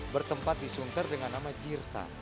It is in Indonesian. bertempat di sunter dengan nama jirta